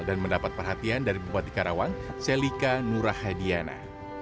dan mendapat perhatian dari bupati karawang selika nurahadiana